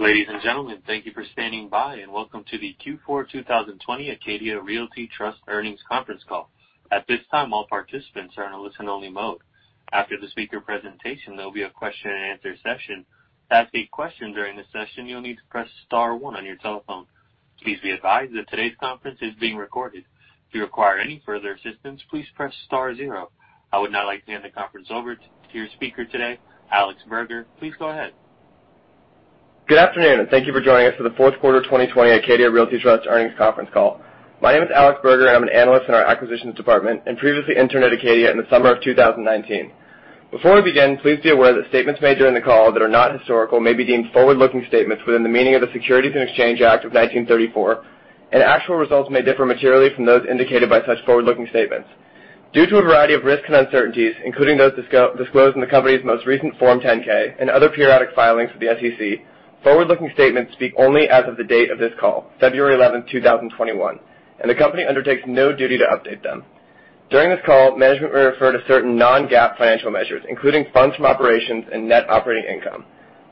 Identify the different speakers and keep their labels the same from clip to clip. Speaker 1: Ladies and gentlemen, thank you for standing by, and welcome to the Q4 2020 Acadia Realty Trust earnings conference call. At this time, all participants are in a listen-only mode. After the speaker presentation, there will be a question and answer session. Please be advised that today's conference is being recorded. To require any further assistance please press star zero. I would now like to hand the conference over to your speaker today, Alex Burger. Please go ahead.
Speaker 2: Good afternoon. Thank you for joining us for the fourth quarter 2020 Acadia Realty Trust earnings conference call. My name is Alex Burger, and I'm an analyst in our acquisitions department, and previously interned at Acadia in the summer of 2019. Before we begin, please be aware that statements made during the call that are not historical may be deemed forward-looking statements within the meaning of the Securities and Exchange Act of 1934, and actual results may differ materially from those indicated by such forward-looking statements. Due to a variety of risks and uncertainties, including those disclosed in the company's most recent Form 10-K and other periodic filings with the SEC, forward-looking statements speak only as of the date of this call, February 11, 2021, and the company undertakes no duty to update them. During this call, management may refer to certain non-GAAP financial measures, including funds from operations and net operating income.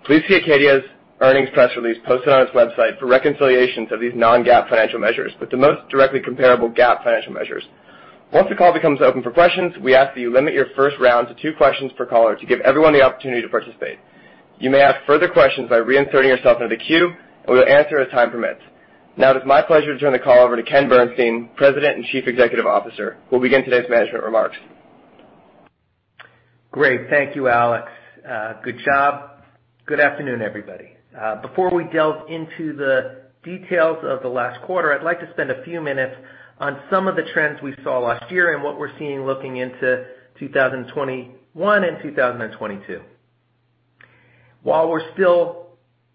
Speaker 2: Please see Acadia's earnings press release posted on its website for reconciliations of these non-GAAP financial measures with the most directly comparable GAAP financial measures. Once the call becomes open for questions, we ask that you limit your first round to two questions per caller to give everyone the opportunity to participate. You may ask further questions by reinserting yourself into the queue, and we'll answer as time permits. Now it is my pleasure to turn the call over to Ken Bernstein, President and Chief Executive Officer, who will begin today's management remarks.
Speaker 3: Great. Thank you, Alex. Good job. Good afternoon, everybody. Before we delve into the details of the last quarter, I'd like to spend a few minutes on some of the trends we saw last year and what we're seeing looking into 2021 and 2022. While we're still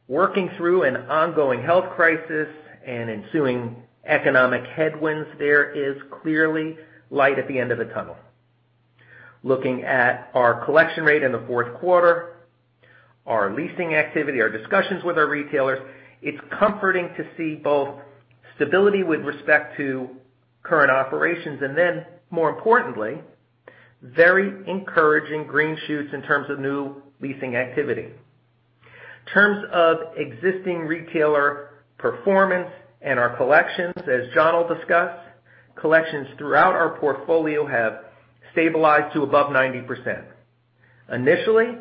Speaker 3: working through an ongoing health crisis and ensuing economic headwinds, there is clearly light at the end of the tunnel. Looking at our collection rate in the fourth quarter, our leasing activity, our discussions with our retailers, it's comforting to see both stability with respect to current operations, and then, more importantly, very encouraging green shoots in terms of new leasing activity. In terms of existing retailer performance and our collections, as John will discuss, collections throughout our portfolio have stabilized to above 90%. Initially,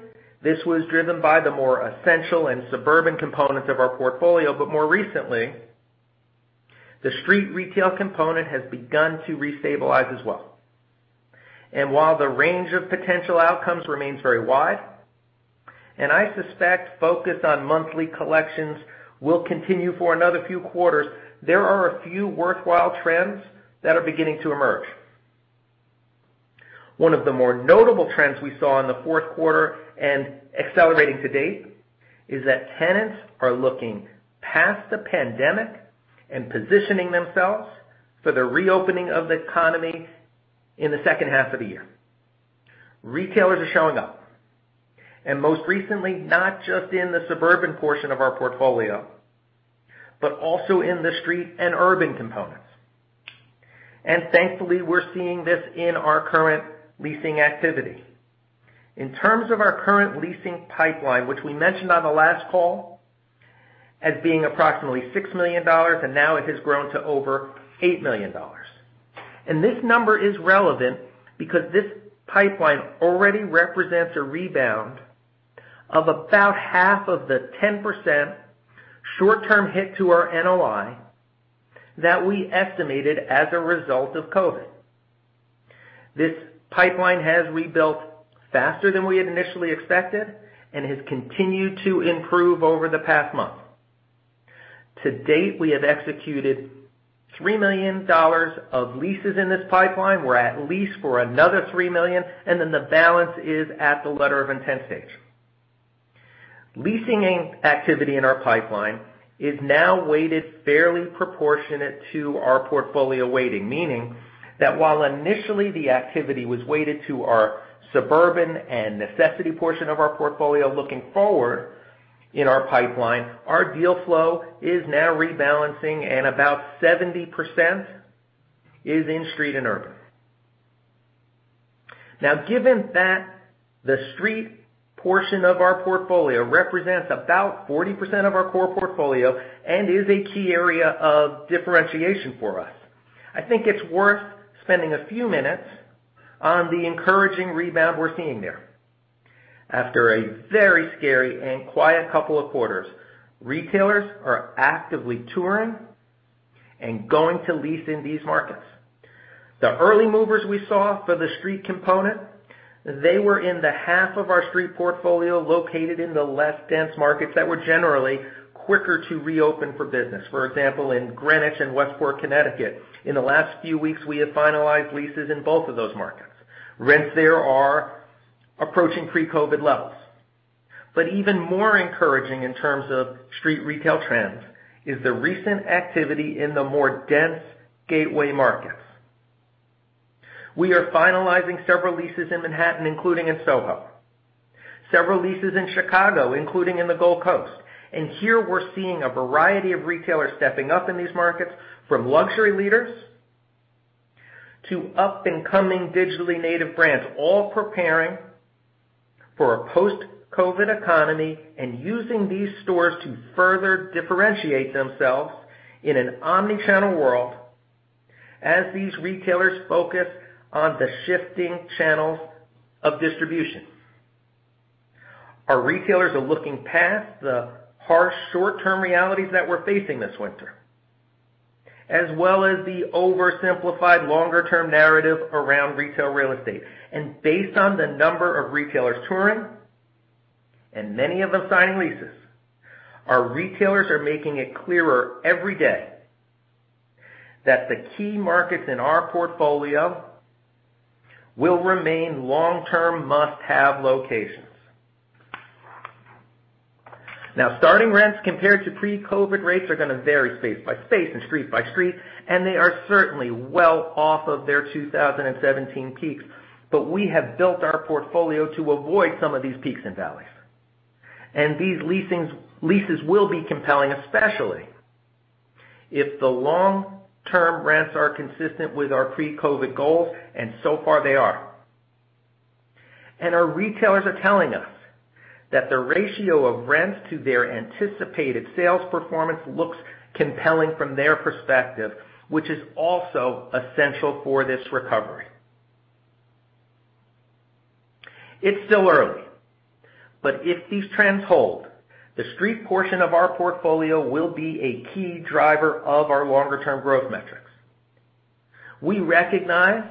Speaker 3: this was driven by the more essential and suburban components of our portfolio, but more recently, the street retail component has begun to restabilize as well. While the range of potential outcomes remains very wide, and I suspect focus on monthly collections will continue for another few quarters, there are a few worthwhile trends that are beginning to emerge. One of the more notable trends we saw in the fourth quarter and accelerating to date is that tenants are looking past the pandemic and positioning themselves for the reopening of the economy in the second half of the year. Retailers are showing up, and most recently, not just in the suburban portion of our portfolio, but also in the street and urban components. Thankfully, we're seeing this in our current leasing activity. In terms of our current leasing pipeline, which we mentioned on the last call as being approximately $6 million, and now it has grown to over $8 million. This number is relevant because this pipeline already represents a rebound of about half of the 10% short-term hit to our NOI that we estimated as a result of COVID. This pipeline has rebuilt faster than we had initially expected and has continued to improve over the past month. To date, we have executed $3 million of leases in this pipeline. We're at lease for another $3 million, and then the balance is at the letter of intent stage. Leasing activity in our pipeline is now weighted fairly proportionate to our portfolio weighting, meaning that while initially the activity was weighted to our suburban and necessity portion of our portfolio looking forward in our pipeline, our deal flow is now rebalancing, and about 70% is in street and urban. Given that the street portion of our portfolio represents about 40% of our core portfolio and is a key area of differentiation for us, I think it's worth spending a few minutes on the encouraging rebound we're seeing there. After a very scary and quiet couple of quarters, retailers are actively touring and going to lease in these markets. The early movers we saw for the street component, they were in the half of our street portfolio located in the less dense markets that were generally quicker to reopen for business. For example, in Greenwich and Westport, Connecticut. In the last few weeks, we have finalized leases in both of those markets. Rents there are approaching pre-COVID levels. Even more encouraging in terms of street retail trends is the recent activity in the more dense gateway markets. We are finalizing several leases in Manhattan, including in SoHo, several leases in Chicago, including in the Gold Coast. Here we're seeing a variety of retailers stepping up in these markets, from luxury leaders to up-and-coming digitally native brands, all preparing for a post-COVID economy and using these stores to further differentiate themselves in an omni-channel world, as these retailers focus on the shifting channels of distribution. Our retailers are looking past the harsh short-term realities that we're facing this winter, as well as the oversimplified longer-term narrative around retail real estate. Based on the number of retailers touring, and many of them signing leases, our retailers are making it clearer every day that the key markets in our portfolio will remain long-term must-have locations. Starting rents compared to pre-COVID rates are going to vary space by space and street by street, and they are certainly well off of their 2017 peaks. We have built our portfolio to avoid some of these peaks and valleys. These leases will be compelling, especially if the long-term rents are consistent with our pre-COVID goals, and so far they are. Our retailers are telling us that the ratio of rents to their anticipated sales performance looks compelling from their perspective, which is also essential for this recovery. It's still early, but if these trends hold, the street portion of our portfolio will be a key driver of our longer-term growth metrics. We recognize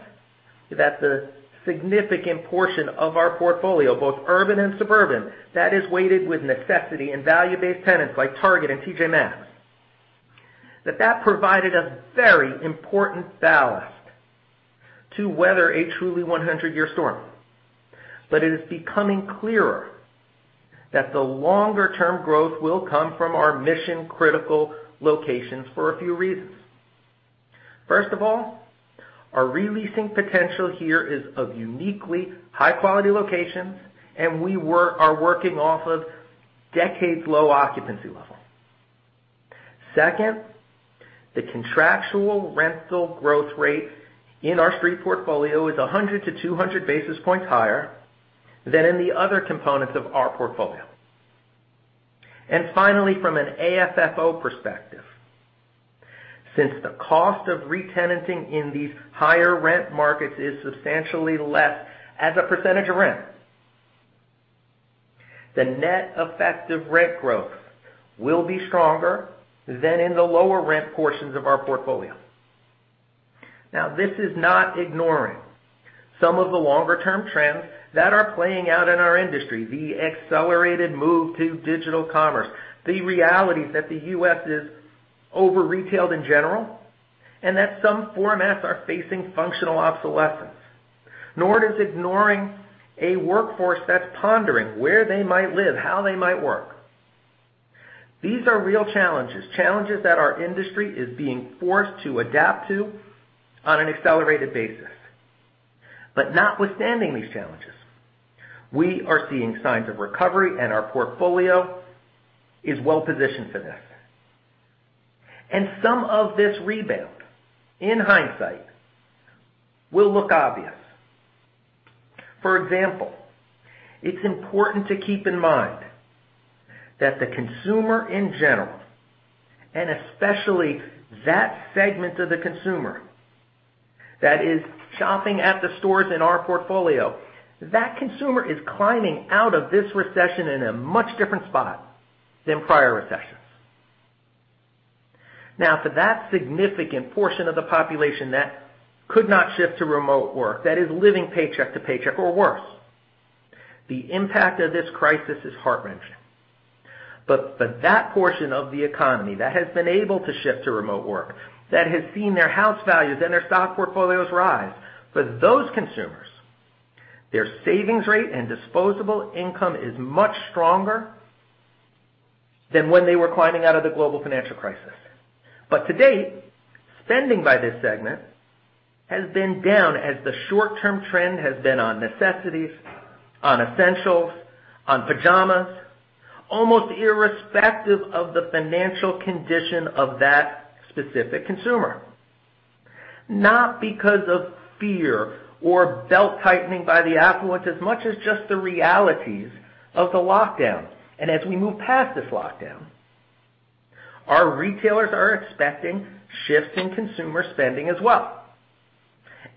Speaker 3: that the significant portion of our portfolio, both urban and suburban, that is weighted with necessity and value-based tenants like Target and T.J. Maxx, that provided a very important ballast to weather a truly 100-year storm. It is becoming clearer that the longer-term growth will come from our mission-critical locations for a few reasons. First of all, our re-leasing potential here is of uniquely high-quality locations, and we are working off of decades low occupancy level. Second, the contractual rental growth rate in our street portfolio is 100-200 basis points higher than in the other components of our portfolio. Finally, from an AFFO perspective, since the cost of re-tenanting in these higher rent markets is substantially less as a percentage of rent, the net effective rent growth will be stronger than in the lower rent portions of our portfolio. Now, this is not ignoring some of the longer-term trends that are playing out in our industry. The accelerated move to digital commerce, the realities that the U.S. is over-retailed in general, and that some formats are facing functional obsolescence. Nor it is ignoring a workforce that's pondering where they might live, how they might work. These are real challenges that our industry is being forced to adapt to on an accelerated basis. Notwithstanding these challenges, we are seeing signs of recovery, and our portfolio is well positioned for this. Some of this rebound, in hindsight, will look obvious. For example, it's important to keep in mind that the consumer in general, and especially that segment of the consumer that is shopping at the stores in our portfolio, that consumer is climbing out of this recession in a much different spot than prior recessions. For that significant portion of the population that could not shift to remote work, that is living paycheck to paycheck or worse, the impact of this crisis is heart-wrenching. For that portion of the economy that has been able to shift to remote work, that has seen their house values and their stock portfolios rise, for those consumers, their savings rate and disposable income is much stronger than when they were climbing out of the global financial crisis. To date, spending by this segment has been down as the short-term trend has been on necessities, on essentials, on pajamas, almost irrespective of the financial condition of that specific consumer. Not because of fear or belt-tightening by the affluent as much as just the realities of the lockdown. As we move past this lockdown, our retailers are expecting shifts in consumer spending as well.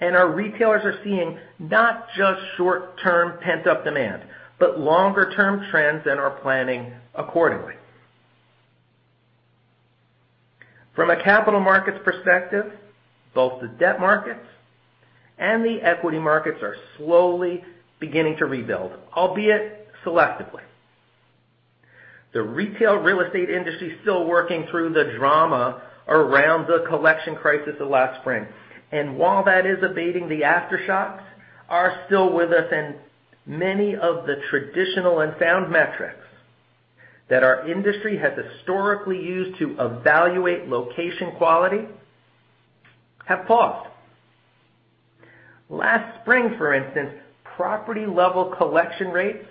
Speaker 3: Our retailers are seeing not just short-term pent-up demand, but longer-term trends and are planning accordingly. From a capital markets perspective, both the debt markets and the equity markets are slowly beginning to rebuild, albeit selectively. The retail real estate industry is still working through the drama around the collection crisis of last spring. While that is abating, the aftershocks are still with us and many of the traditional and sound metrics that our industry has historically used to evaluate location quality have paused. Last spring, for instance, property-level collection rates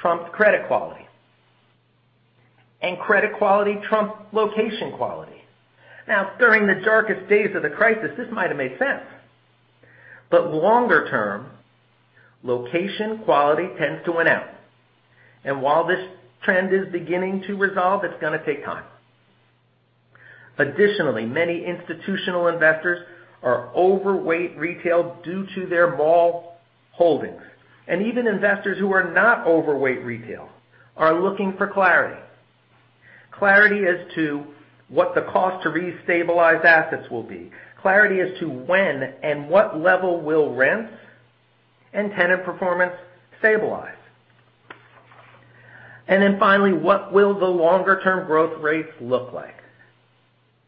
Speaker 3: trumped credit quality and credit quality trump location quality. During the darkest days of the crisis, this might've made sense, but longer-term, location quality tends to win out. While this trend is beginning to resolve, it's going to take time. Additionally, many institutional investors are overweight retail due to their mall holdings. Even investors who are not overweight retail are looking for clarity. Clarity as to what the cost to restabilize assets will be. Clarity as to when and what level will rents and tenant performance stabilize. Finally, what will the longer-term growth rates look like?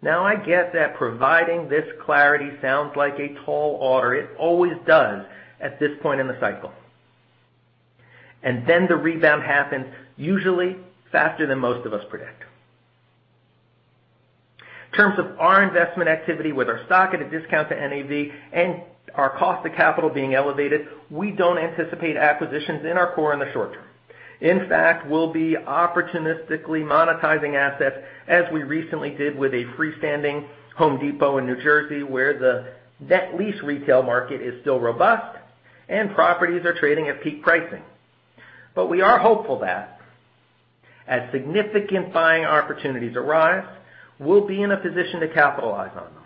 Speaker 3: I get that providing this clarity sounds like a tall order. It always does at this point in the cycle. The rebound happens usually faster than most of us predict. In terms of our investment activity with our stock at a discount to NAV and our cost of capital being elevated, we don't anticipate acquisitions in our core in the short term. In fact, we'll be opportunistically monetizing assets as we recently did with a freestanding The Home Depot in New Jersey where the net lease retail market is still robust and properties are trading at peak pricing. We are hopeful that as significant buying opportunities arise, we'll be in a position to capitalize on them.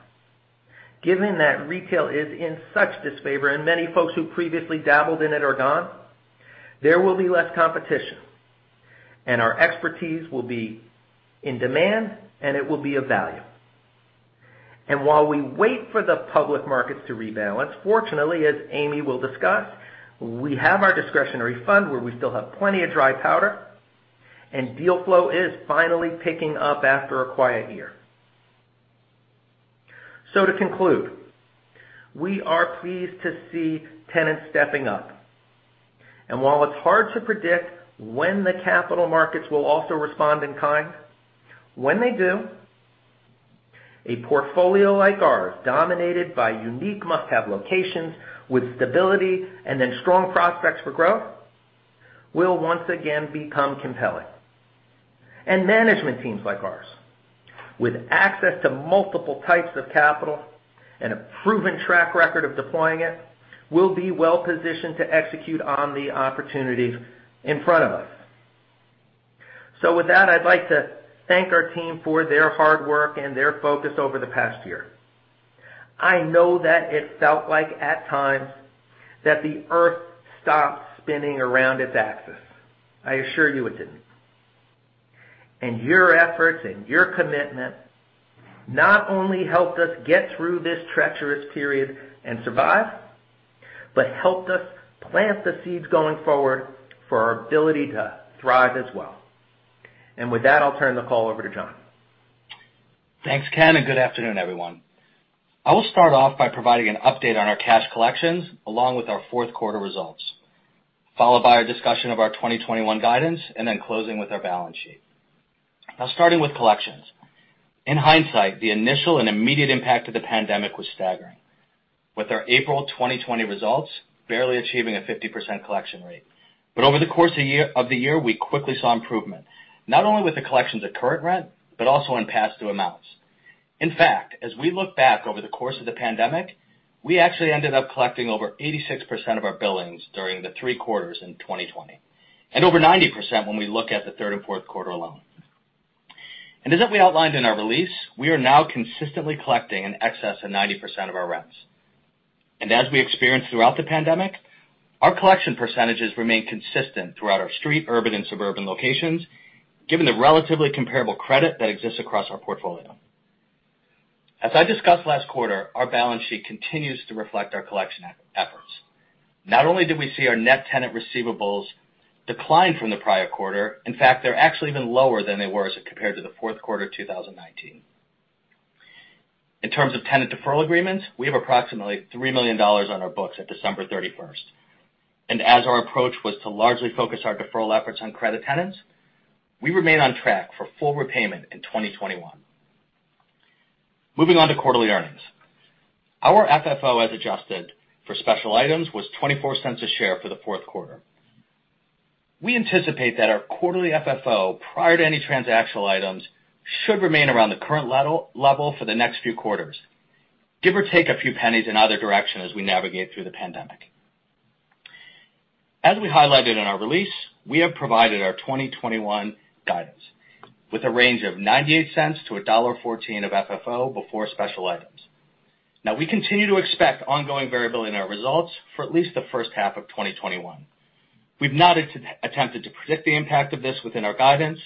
Speaker 3: Given that retail is in such disfavor and many folks who previously dabbled in it are gone, there will be less competition, and our expertise will be in demand, and it will be of value. While we wait for the public markets to rebalance, fortunately, as Amy will discuss, we have our discretionary fund where we still have plenty of dry powder, and deal flow is finally picking up after a quiet year. To conclude, we are pleased to see tenants stepping up. While it's hard to predict when the capital markets will also respond in kind, when they do, a portfolio like ours, dominated by unique must-have locations with stability and then strong prospects for growth, will once again become compelling. Management teams like ours, with access to multiple types of capital and a proven track record of deploying it, will be well-positioned to execute on the opportunities in front of us. With that, I'd like to thank our team for their hard work and their focus over the past year. I know that it felt like at times that the Earth stopped spinning around its axis. I assure you it didn't. Your efforts and your commitment not only helped us get through this treacherous period and survive, but helped us plant the seeds going forward for our ability to thrive as well. With that, I'll turn the call over to John.
Speaker 4: Thanks, Ken, and good afternoon, everyone. I will start off by providing an update on our cash collections along with our fourth quarter results, followed by our discussion of our 2021 guidance and then closing with our balance sheet. Now starting with collections. In hindsight, the initial and immediate impact of the pandemic was staggering. With our April 2020 results barely achieving a 50% collection rate. Over the course of the year, we quickly saw improvement, not only with the collections of current rent, but also in past due amounts. As we look back over the course of the pandemic, we actually ended up collecting over 86% of our billings during the three quarters in 2020, and over 90% when we look at the third and fourth quarter alone. As we outlined in our release, we are now consistently collecting in excess of 90% of our rents. As we experienced throughout the pandemic, our collection percentages remain consistent throughout our street, urban, and suburban locations, given the relatively comparable credit that exists across our portfolio. As I discussed last quarter, our balance sheet continues to reflect our collection efforts. Not only did we see our net tenant receivables decline from the prior quarter, in fact, they're actually even lower than they were as compared to the fourth quarter 2019. In terms of tenant deferral agreements, we have approximately $3 million on our books at December 31st. As our approach was to largely focus our deferral efforts on credit tenants, we remain on track for full repayment in 2021. Moving on to quarterly earnings. Our FFO, as adjusted for special items, was $0.24 a share for the fourth quarter. We anticipate that our quarterly FFO, prior to any transactional items, should remain around the current level for the next few quarters, give or take a few pennies in either direction as we navigate through the pandemic. As we highlighted in our release, we have provided our 2021 guidance with a range of $0.98-$1.14 of FFO before special items. We continue to expect ongoing variability in our results for at least the first half of 2021. We've not attempted to predict the impact of this within our guidance,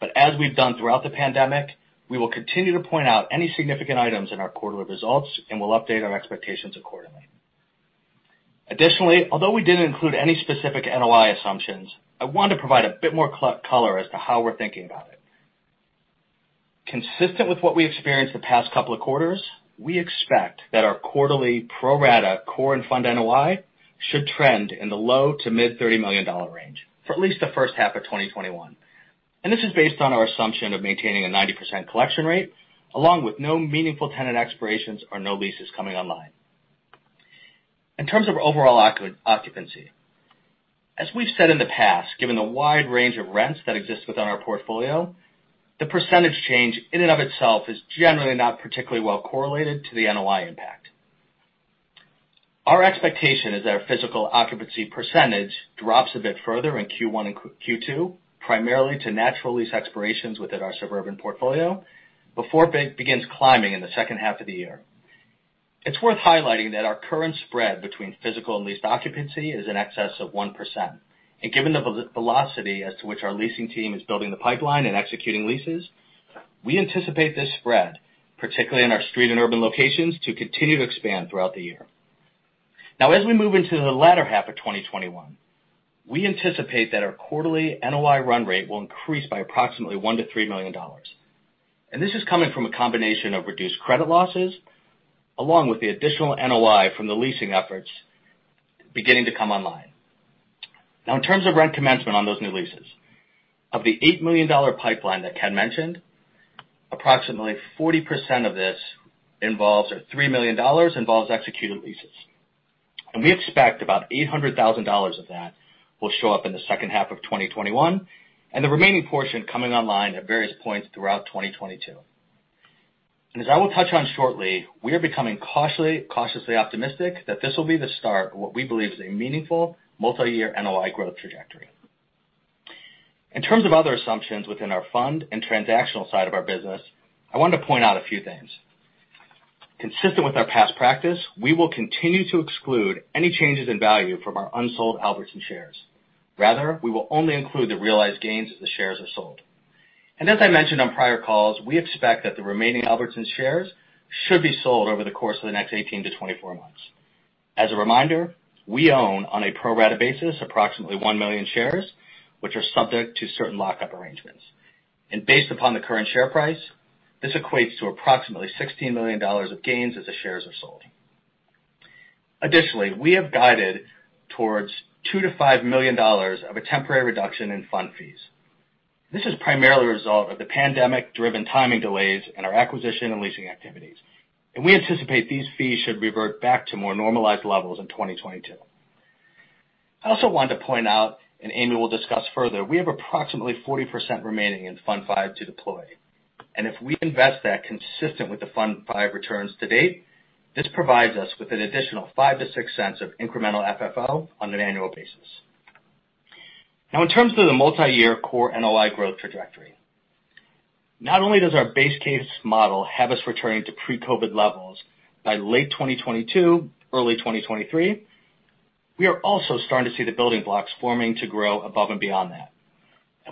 Speaker 4: but as we've done throughout the pandemic, we will continue to point out any significant items in our quarterly results, and we'll update our expectations accordingly. Additionally, although we didn't include any specific NOI assumptions, I want to provide a bit more color as to how we're thinking about it. Consistent with what we experienced the past couple of quarters, we expect that our quarterly pro-rata core and fund NOI should trend in the low to mid $30 million range for at least the first half of 2021. This is based on our assumption of maintaining a 90% collection rate along with no meaningful tenant expirations or no leases coming online. In terms of overall occupancy, as we've said in the past, given the wide range of rents that exist within our portfolio, the percentage change in and of itself is generally not particularly well correlated to the NOI impact. Our expectation is that our physical occupancy percentage drops a bit further in Q1 and Q2, primarily to natural lease expirations within our suburban portfolio before it begins climbing in the second half of the year. It's worth highlighting that our current spread between physical and leased occupancy is in excess of 1%. Given the velocity as to which our leasing team is building the pipeline and executing leases, we anticipate this spread, particularly in our street and urban locations, to continue to expand throughout the year. As we move into the latter half of 2021, we anticipate that our quarterly NOI run rate will increase by approximately $1 million-$3 million. This is coming from a combination of reduced credit losses, along with the additional NOI from the leasing efforts beginning to come online. In terms of rent commencement on those new leases, of the $8 million pipeline that Ken mentioned, approximately 40% of this involves, or $3 million involves executed leases. We expect about $800,000 of that will show up in the second half of 2021, and the remaining portion coming online at various points throughout 2022. As I will touch on shortly, we are becoming cautiously optimistic that this will be the start of what we believe is a meaningful multi-year NOI growth trajectory. In terms of other assumptions within our fund and transactional side of our business, I wanted to point out a few things. Consistent with our past practice, we will continue to exclude any changes in value from our unsold Albertsons shares. Rather, we will only include the realized gains as the shares are sold. As I mentioned on prior calls, we expect that the remaining Albertsons shares should be sold over the course of the next 18-24 months. As a reminder, we own on a pro rata basis approximately 1 million shares, which are subject to certain lockup arrangements. Based upon the current share price, this equates to approximately $16 million of gains as the shares are sold. Additionally, we have guided towards $2 million-$5 million of a temporary reduction in fund fees. This is primarily a result of the pandemic-driven timing delays in our acquisition and leasing activities. We anticipate these fees should revert back to more normalized levels in 2022. I also wanted to point out, and Amy will discuss further, we have approximately 40% remaining in Fund V to deploy. If we invest that consistent with the Fund V returns to date, this provides us with an additional $0.05-$0.06 of incremental FFO on an annual basis. In terms of the multi-year core NOI growth trajectory, not only does our base case model have us returning to pre-COVID levels by late 2022, early 2023, we are also starting to see the building blocks forming to grow above and beyond that.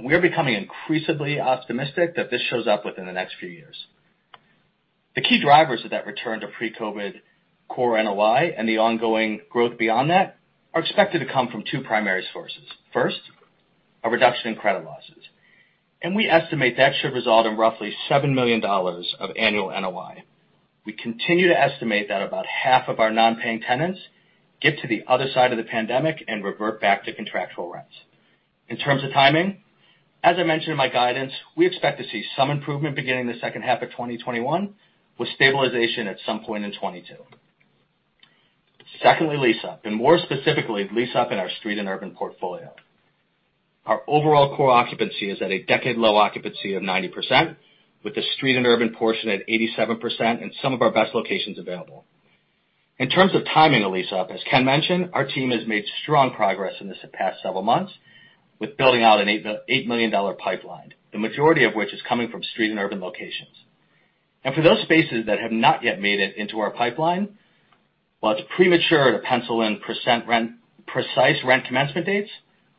Speaker 4: We are becoming increasingly optimistic that this shows up within the next few years. The key drivers of that return to pre-COVID core NOI and the ongoing growth beyond that are expected to come from two primary sources. First, a reduction in credit losses. We estimate that should result in roughly $7 million of annual NOI. We continue to estimate that about half of our non-paying tenants get to the other side of the pandemic and revert back to contractual rents. In terms of timing, as I mentioned in my guidance, we expect to see some improvement beginning the second half of 2021, with stabilization at some point in 2022. Secondly, lease-up, and more specifically, lease-up in our street and urban portfolio. Our overall core occupancy is at a decade low occupancy of 90%, with the street and urban portion at 87% and some of our best locations available. In terms of timing the lease-up, as Ken mentioned, our team has made strong progress in this past several months with building out an $8 million pipeline, the majority of which is coming from street and urban locations. For those spaces that have not yet made it into our pipeline, while it's premature to pencil in precise rent commencement dates,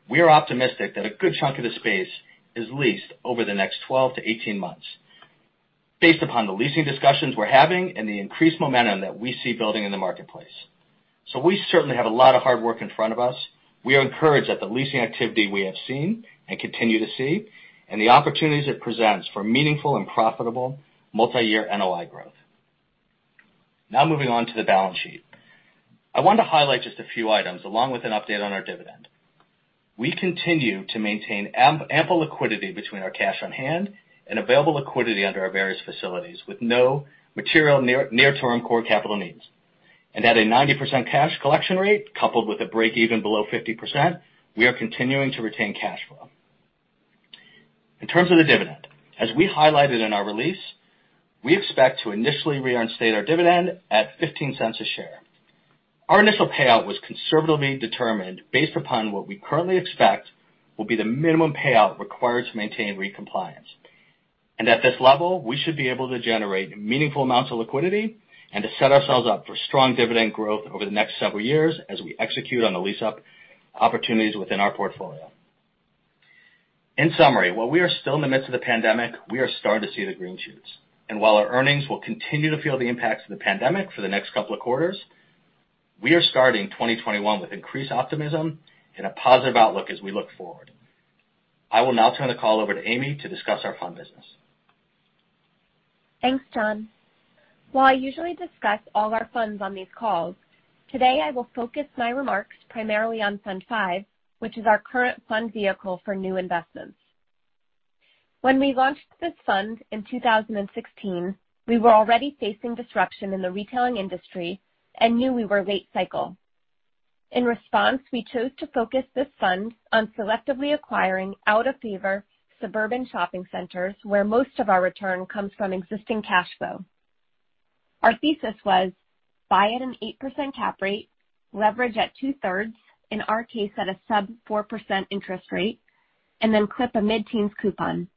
Speaker 4: we are optimistic that a good chunk of the space is leased over the next 12-18 months based upon the leasing discussions we're having and the increased momentum that we see building in the marketplace. We certainly have a lot of hard work in front of us. We are encouraged at the leasing activity we have seen and continue to see and the opportunities it presents for meaningful and profitable multi-year NOI growth. Moving on to the balance sheet. I want to highlight just a few items along with an update on our dividend. We continue to maintain ample liquidity between our cash on hand and available liquidity under our various facilities with no material near-term core capital needs. At a 90% cash collection rate coupled with a break-even below 50%, we are continuing to retain cash flow. In terms of the dividend, as we highlighted in our release, we expect to initially reinstate our dividend at $0.15 a share. Our initial payout was conservatively determined based upon what we currently expect will be the minimum payout required to maintain REIT compliance. At this level, we should be able to generate meaningful amounts of liquidity and to set ourselves up for strong dividend growth over the next several years as we execute on the lease-up opportunities within our portfolio. In summary, while we are still in the midst of the pandemic, we are starting to see the green shoots. While our earnings will continue to feel the impacts of the pandemic for the next couple of quarters, we are starting 2021 with increased optimism and a positive outlook as we look forward. I will now turn the call over to Amy to discuss our fund business.
Speaker 5: Thanks, John. While I usually discuss all our funds on these calls, today I will focus my remarks primarily on Fund V, which is our current fund vehicle for new investments. When we launched this fund in 2016, we were already facing disruption in the retailing industry and knew we were late cycle. In response, we chose to focus this fund on selectively acquiring out-of-favor suburban shopping centers where most of our return comes from existing cash flow. Our thesis was buy at an 8% cap rate, leverage at two-thirds, in our case at a sub 4% interest rate, and then clip a mid-teens coupon.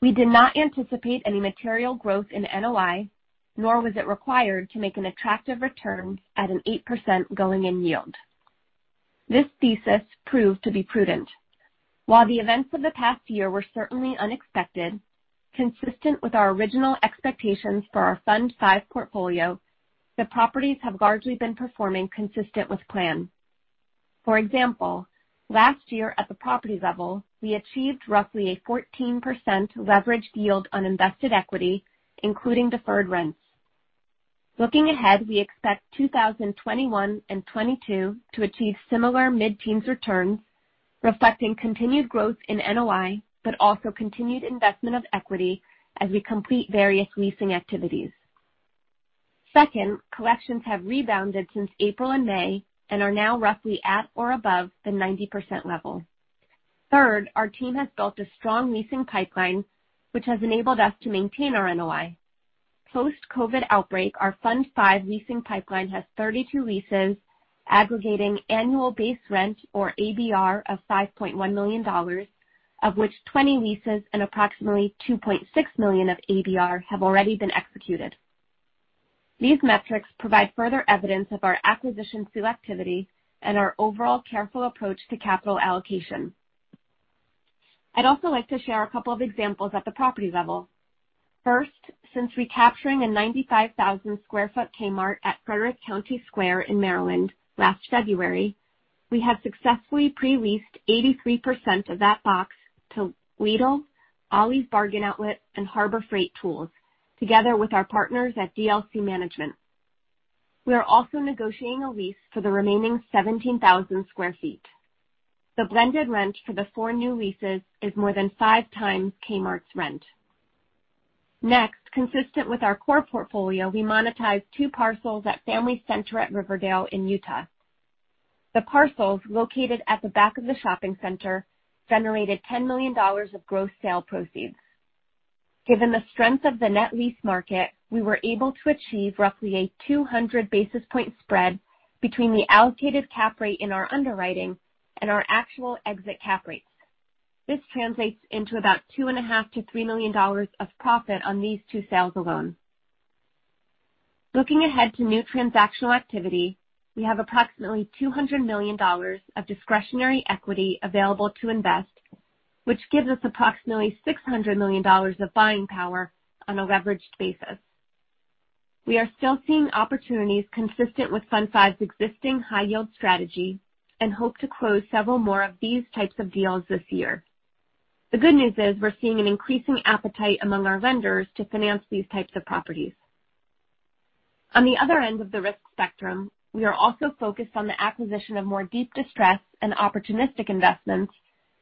Speaker 5: We did not anticipate any material growth in NOI, nor was it required to make an attractive return at an 8% going-in yield. This thesis proved to be prudent. While the events of the past year were certainly unexpected, consistent with our original expectations for our Fund V portfolio, the properties have largely been performing consistent with plan. For example, last year at the property level, we achieved roughly a 14% leveraged yield on invested equity, including deferred rents. Looking ahead, we expect 2021 and 2022 to achieve similar mid-teens returns, reflecting continued growth in NOI, but also continued investment of equity as we complete various leasing activities. Second, collections have rebounded since April and May and are now roughly at or above the 90% level. Third, our team has built a strong leasing pipeline, which has enabled us to maintain our NOI. Post-COVID outbreak, our Fund V leasing pipeline has 32 leases aggregating annual base rent or ABR of $5.1 million, of which 20 leases and approximately $2.6 million of ABR have already been executed. These metrics provide further evidence of our acquisition selectivity and our overall careful approach to capital allocation. I'd also like to share a couple of examples at the property level. First, since recapturing a 95,000 sq ft Kmart at Frederick County Square in Maryland last February, we have successfully pre-leased 83% of that box to Weis, Ollie's Bargain Outlet, and Harbor Freight Tools, together with our partners at DLC Management. We are also negotiating a lease for the remaining 17,000 sq ft. The blended rent for the four new leases is more than five times Kmart's rent. Next, consistent with our core portfolio, we monetized two parcels at Family Center at Riverdale in Utah. The parcels, located at the back of the shopping center, generated $10 million of gross sale proceeds. Given the strength of the net lease market, we were able to achieve roughly a 200 basis point spread between the allocated cap rate in our underwriting and our actual exit cap rates. This translates into about $2.5 million-$3 million of profit on these two sales alone. Looking ahead to new transactional activity, we have approximately $200 million of discretionary equity available to invest, which gives us approximately $600 million of buying power on a leveraged basis. We are still seeing opportunities consistent with Fund V's existing high yield strategy and hope to close several more of these types of deals this year. The good news is we're seeing an increasing appetite among our lenders to finance these types of properties. On the other end of the risk spectrum, we are also focused on the acquisition of more deep distress and opportunistic investments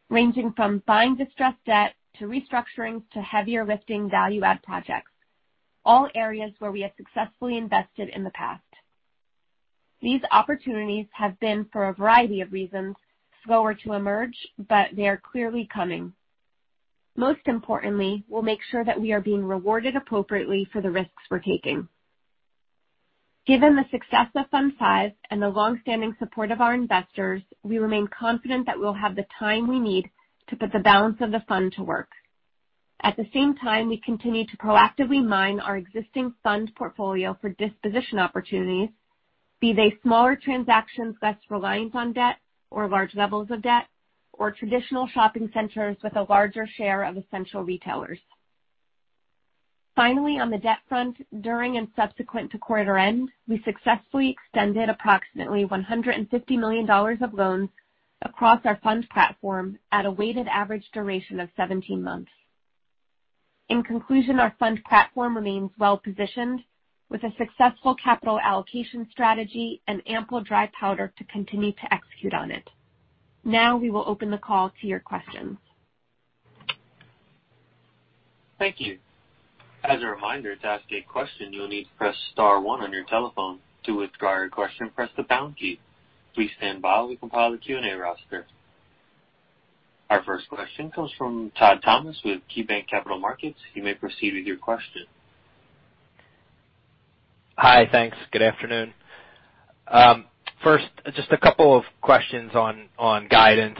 Speaker 5: ranging from buying distressed debt to restructuring to heavier lifting value add projects, all areas where we have successfully invested in the past. These opportunities have been, for a variety of reasons, slower to emerge. They are clearly coming. Most importantly, we'll make sure that we are being rewarded appropriately for the risks we're taking. Given the success of Fund V and the longstanding support of our investors, we remain confident that we'll have the time we need to put the balance of the fund to work. At the same time, we continue to proactively mine our existing fund portfolio for disposition opportunities, be they smaller transactions less reliant on debt or large levels of debt, or traditional shopping centers with a larger share of essential retailers. Finally, on the debt front, during and subsequent to quarter end, we successfully extended approximately $150 million of loans across our fund platform at a weighted average duration of 17 months. In conclusion, our fund platform remains well-positioned with a successful capital allocation strategy and ample dry powder to continue to execute on it. Now we will open the call to your questions.
Speaker 1: Thank you. As a reminder, to ask a question, you'll need to press star one on your telephone. To withdraw your question, press the pound key. Please stand by while we compile the Q&A roster. Our first question comes from Todd Thomas with KeyBanc Capital Markets.
Speaker 6: Hi. Thanks. Good afternoon. First, just a couple of questions on guidance.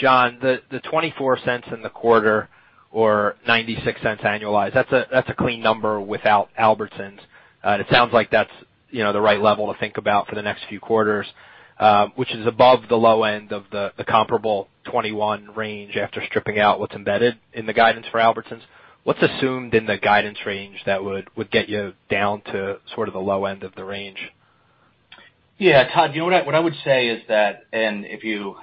Speaker 6: John, the $0.24 in the quarter or $0.96 annualized, that's a clean number without Albertsons. It sounds like that's the right level to think about for the next few quarters, which is above the low end of the comparable 2021 range after stripping out what's embedded in the guidance for Albertsons. What's assumed in the guidance range that would get you down to sort of the low end of the range?
Speaker 4: Yeah, Todd, what I would say is that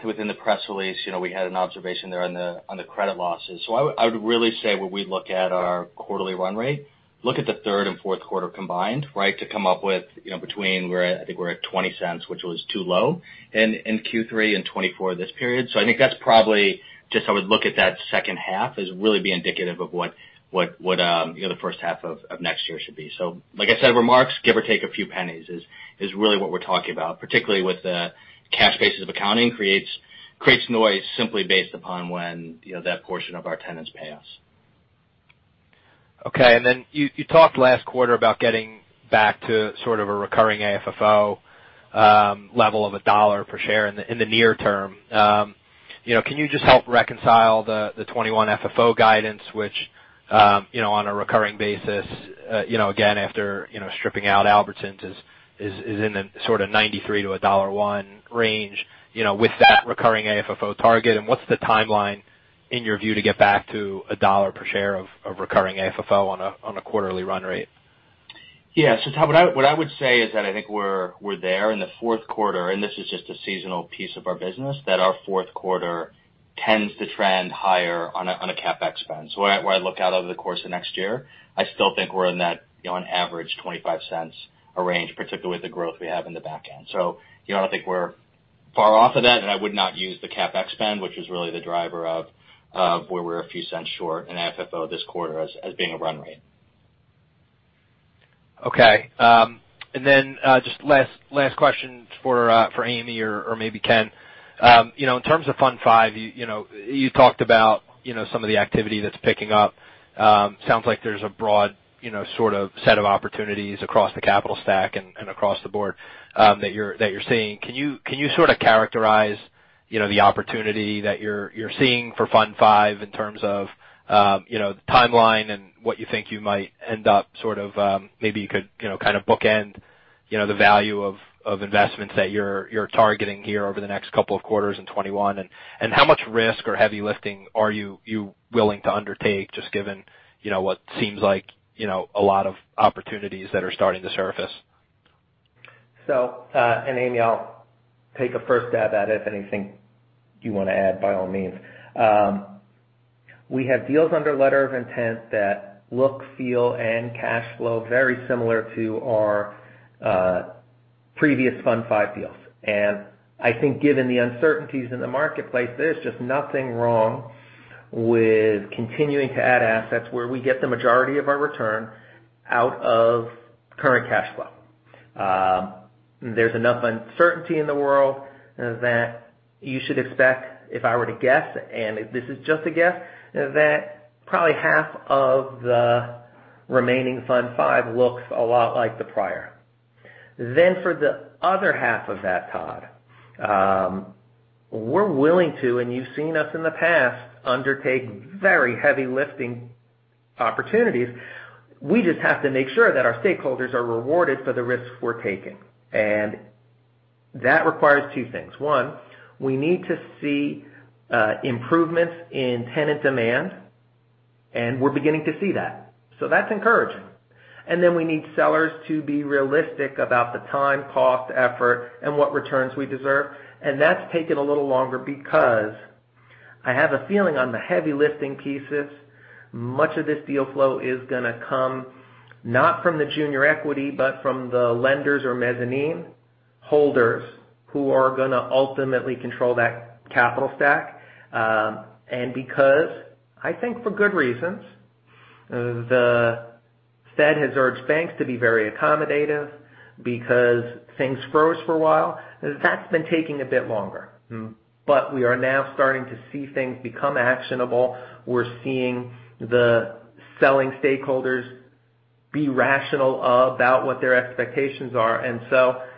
Speaker 4: within the press release, we had an observation there on the credit losses. I would really say when we look at our quarterly run rate, look at the third and fourth quarter combined, right, to come up with between where I think we're at $0.20, which was too low in Q3 and $0.24 for this period. I think that's probably just I would look at that second half as really being indicative of what the first half of next year should be. Like I said, remarks, give or take a few pennies is really what we're talking about, particularly with the cash basis of accounting creates noise simply based upon when that portion of our tenants pay us.
Speaker 6: Okay. You talked last quarter about getting back to sort of a recurring AFFO level of $1 per share in the near term. Can you just help reconcile the 21 FFO guidance, which, on a recurring basis, again, after stripping out Albertsons is in the sort of $0.93 to $1.01 range, with that recurring AFFO target? What's the timeline in your view to get back to $1 per share of recurring AFFO on a quarterly run rate?
Speaker 4: Yeah. Todd, what I would say is that I think we're there in the fourth quarter, and this is just a seasonal piece of our business, that our fourth quarter tends to trend higher on a CapEx spend. When I look out over the course of next year, I still think we're in that on average $0.25 a range, particularly with the growth we have in the back end. I don't think we're far off of that, and I would not use the CapEx spend, which is really the driver of where we're a few cents short in AFFO this quarter as being a run rate.
Speaker 6: Okay. Just last question for Amy or maybe Ken. In terms of Fund V, you talked about some of the activity that's picking up. Sounds like there's a broad sort of set of opportunities across the capital stack and across the board that you're seeing. Can you sort of characterize the opportunity that you're seeing for Fund V in terms of the timeline and what you think you might end up sort of maybe you could kind of bookend the value of investments that you're targeting here over the next couple of quarters in 2021, and how much risk or heavy lifting are you willing to undertake, just given what seems like a lot of opportunities that are starting to surface?
Speaker 3: Amy, I'll take a first stab at it. If anything you want to add, by all means. We have deals under letter of intent that look, feel, and cash flow very similar to our previous Fund V deals. I think given the uncertainties in the marketplace, there's just nothing wrong with continuing to add assets where we get the majority of our return out of current cash flow. There's enough uncertainty in the world that you should expect, if I were to guess, and this is just a guess, that probably half of the remaining Fund V looks a lot like the prior. For the other half of that, Todd, we're willing to, and you've seen us in the past undertake very heavy lifting opportunities. We just have to make sure that our stakeholders are rewarded for the risks we're taking. That requires two things. One, we need to see improvements in tenant demand. We're beginning to see that. That's encouraging. We need sellers to be realistic about the time, cost, effort, and what returns we deserve. That's taken a little longer because I have a feeling on the heavy lifting pieces, much of this deal flow is going to come not from the junior equity, but from the lenders or mezzanine holders who are going to ultimately control that capital stack. Because I think for good reasons, the Fed has urged banks to be very accommodative because things froze for a while. That's been taking a bit longer. We are now starting to see things become actionable. We're seeing the selling stakeholders be rational about what their expectations are.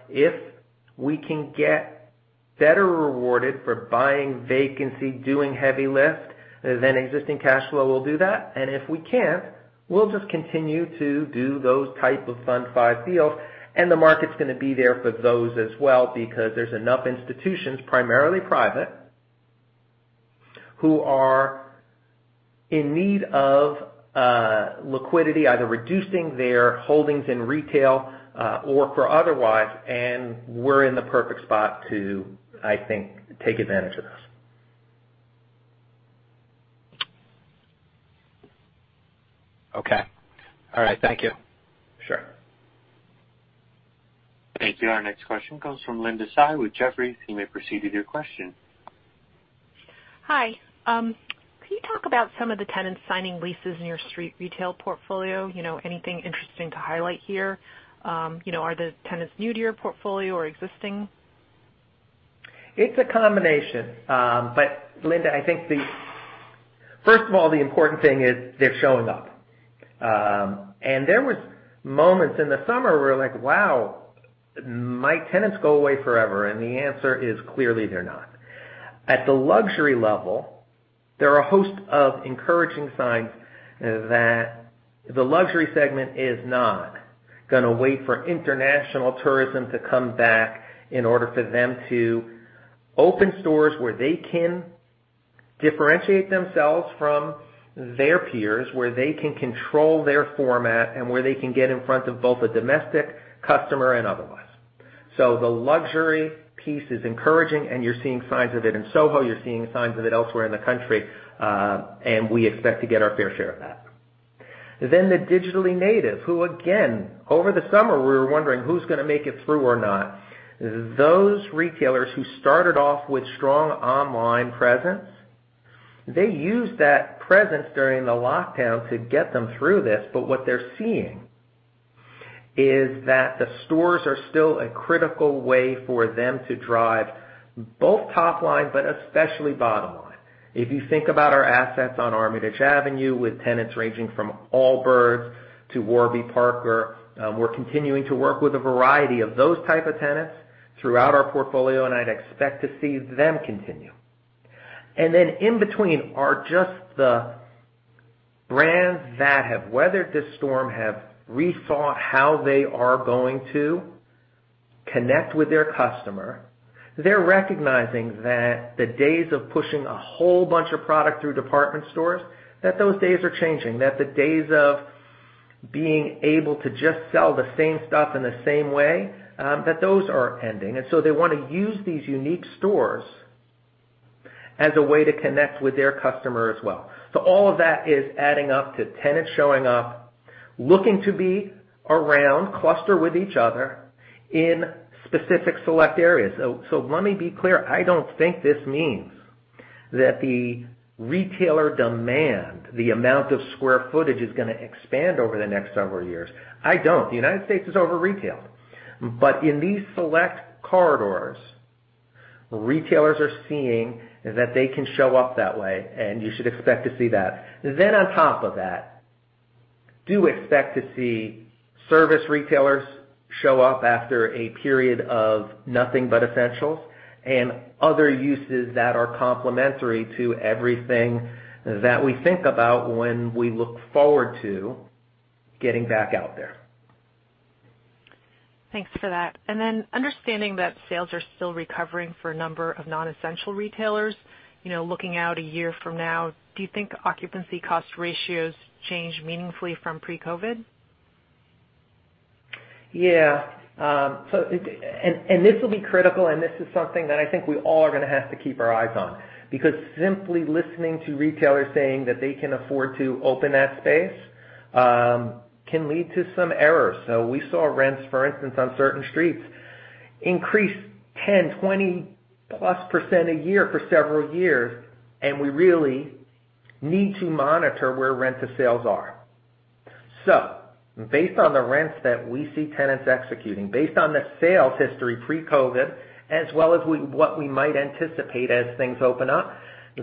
Speaker 3: If we can get better rewarded for buying vacancy, doing heavy lift, then existing cash flow will do that. If we can't, we'll just continue to do those type of Fund V deals, and the market's going to be there for those as well because there's enough institutions, primarily private, who are in need of liquidity, either reducing their holdings in retail, or for otherwise, and we're in the perfect spot to, I think, take advantage of this.
Speaker 6: Okay. All right. Thank you.
Speaker 4: Sure.
Speaker 1: Thank you. Our next question comes from Linda Tsai with Jefferies. You may proceed with your question.
Speaker 7: Hi. Can you talk about some of the tenants signing leases in your street retail portfolio? Anything interesting to highlight here? Are the tenants new to your portfolio or existing?
Speaker 3: It's a combination. Linda, I think first of all, the important thing is they're showing up. There was moments in the summer where we're like, "Wow, might tenants go away forever?" The answer is clearly they're not. At the luxury level, there are a host of encouraging signs that the luxury segment is not going to wait for international tourism to come back in order for them to open stores where they can differentiate themselves from their peers, where they can control their format, and where they can get in front of both a domestic customer and otherwise. The luxury piece is encouraging, and you're seeing signs of it in SoHo, you're seeing signs of it elsewhere in the country, and we expect to get our fair share of that. The digitally native, who again, over the summer, we were wondering who's going to make it through or not. Those retailers who started off with strong online presence, they used that presence during the lockdown to get them through this. What they're seeing is that the stores are still a critical way for them to drive both top line, but especially bottom line. If you think about our assets on Armitage Avenue, with tenants ranging from Allbirds to Warby Parker, we're continuing to work with a variety of those type of tenants throughout our portfolio, and I'd expect to see them continue. In between are just the brands that have weathered this storm, have rethought how they are going to connect with their customer. They're recognizing that the days of pushing a whole bunch of product through department stores, that those days are changing. That the days of being able to just sell the same stuff in the same way, that those are ending. They want to use these unique stores as a way to connect with their customer as well. All of that is adding up to tenants showing up, looking to be around, cluster with each other in specific select areas. Let me be clear. I don't think this means that the retailer demand, the amount of square footage, is going to expand over the next several years. I don't. The U.S. is over retailed. In these select corridors, retailers are seeing that they can show up that way, and you should expect to see that. On top of that, do expect to see service retailers show up after a period of nothing but essentials, and other uses that are complementary to everything that we think about when we look forward to getting back out there.
Speaker 7: Thanks for that. Understanding that sales are still recovering for a number of non-essential retailers, looking out a year from now, do you think occupancy cost ratios change meaningfully from pre-COVID?
Speaker 3: Yeah. This will be critical, and this is something that I think we all are going to have to keep our eyes on, because simply listening to retailers saying that they can afford to open that space can lead to some errors. We saw rents, for instance, on certain streets increase 10%, 20%+ a year for several years, and we really need to monitor where rent to sales are. Based on the rents that we see tenants executing, based on the sales history pre-COVID, as well as what we might anticipate as things open up,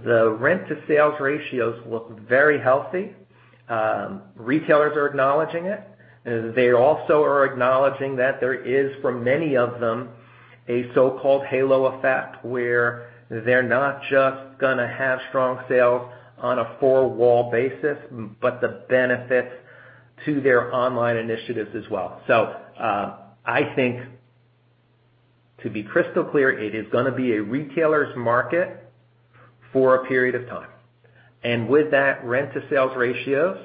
Speaker 3: the rent to sales ratios look very healthy. Retailers are acknowledging it. They also are acknowledging that there is, for many of them, a so-called halo effect, where they're not just going to have strong sales on a four-wall basis, but the benefits to their online initiatives as well. I think to be crystal clear, it is going to be a retailer's market for a period of time. With that, rent to sales ratios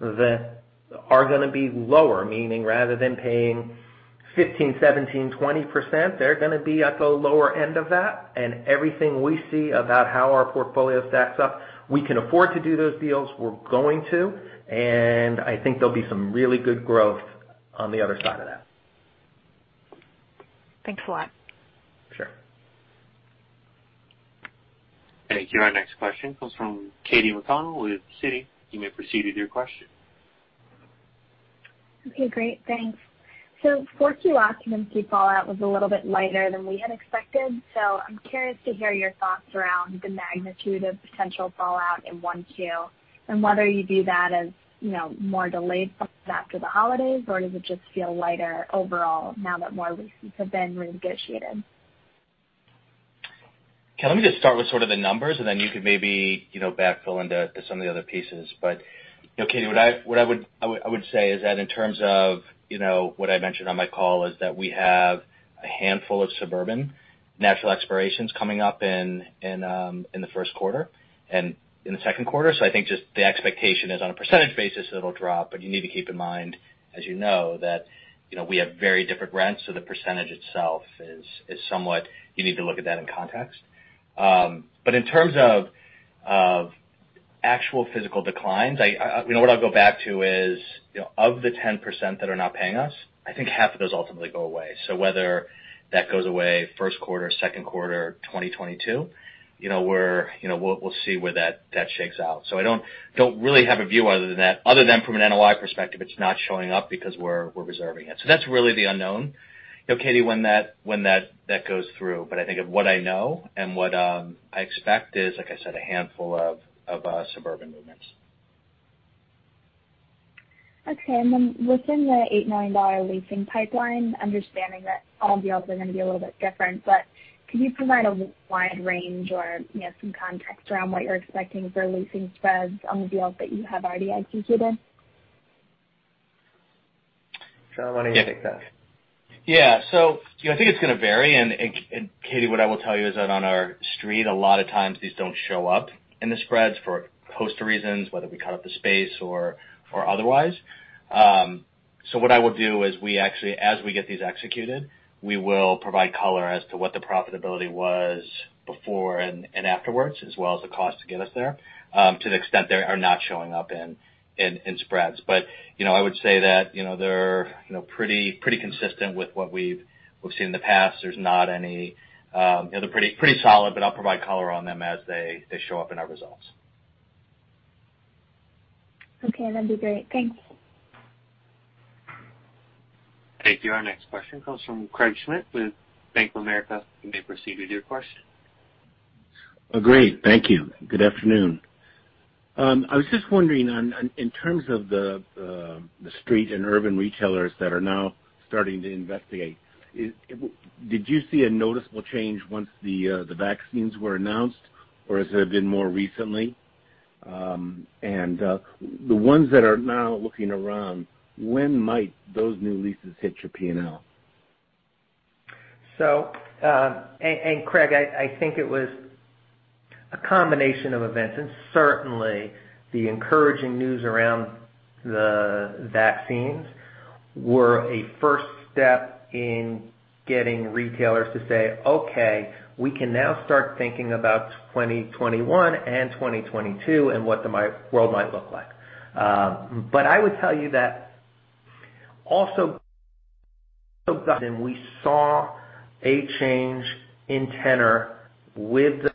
Speaker 3: are going to be lower, meaning rather than paying 15%, 17%, 20%, they're going to be at the lower end of that. Everything we see about how our portfolio stacks up, we can afford to do those deals. We're going to, I think there'll be some really good growth on the other side of that.
Speaker 7: Thanks a lot.
Speaker 3: Sure.
Speaker 1: Thank you. Our next question comes from Katy McConnell with Citi. You may proceed with your question.
Speaker 8: Okay, great. Thanks. 4Q occupancy fallout was a little bit lighter than we had expected. I'm curious to hear your thoughts around the magnitude of potential fallout in Q1 and whether you view that as more delayed from after the holidays, or does it just feel lighter overall now that more leases have been renegotiated?
Speaker 4: Ken, let me just start with sort of the numbers, then you could maybe backfill into some of the other pieces. Katy, what I would say is that in terms of what I mentioned on my call, is that we have a handful of suburban natural expirations coming up in the first quarter and in the second quarter. I think just the expectation is on a percentage basis, it'll drop. You need to keep in mind, as you know, that we have very different rents, so the percentage itself is somewhat. You need to look at that in context. In terms of actual physical declines, what I'll go back to is of the 10% that are not paying us, I think half of those ultimately go away. Whether that goes away first quarter, second quarter 2022, we'll see where that shakes out. I don't really have a view other than that, other than from an NOI perspective, it's not showing up because we're reserving it. That's really the unknown, Katy, when that goes through. I think of what I know and what I expect is, like I said, a handful of suburban movements.
Speaker 8: Within the $8 million leasing pipeline, understanding that all deals are going to be a little bit different, but could you provide a wide range or some context around what you're expecting for leasing spreads on the deals that you have already executed?
Speaker 3: John, why don't you take that?
Speaker 4: Yeah. I think it's going to vary, and, Katy, what I will tell you is that on our street, a lot of times these don't show up in the spreads for a host of reasons, whether we cut up the space or otherwise. What I will do is we actually, as we get these executed, we will provide color as to what the profitability was before and afterwards, as well as the cost to get us there, to the extent they are not showing up in spreads. I would say that they're pretty consistent with what we've seen in the past. They're pretty solid, but I'll provide color on them as they show up in our results.
Speaker 8: Okay, that'd be great. Thanks.
Speaker 1: Thank you. Our next question comes from Craig Schmidt with Bank of America. You may proceed with your question.
Speaker 9: Great. Thank you. Good afternoon. I was just wondering in terms of the street and urban retailers that are now starting to investigate, did you see a noticeable change once the vaccines were announced, or has it been more recently? The ones that are now looking around, when might those new leases hit your P&L?
Speaker 3: Craig, I think it was a combination of events, and certainly the encouraging news around the vaccines were a first step in getting retailers to say, "Okay, we can now start thinking about 2021 and 2022 and what the world might look like." I would tell you that also, we saw a change in tenor with